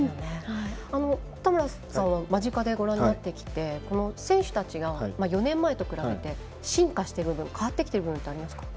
田村さんは間近でご覧になってきて選手たちが４年前と比べて進化してきている部分変わってきてる部分ってありますか？